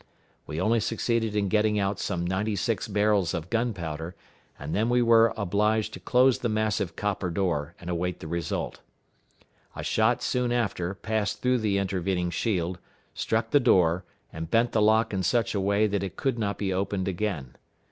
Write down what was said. We only succeeded in getting out some ninety six barrels of powder, and then we were obliged to close the massive copper door, and await the result. A shot soon after passed through the intervening shield, struck the door, and bent the lock in such a way that it could not be opened again.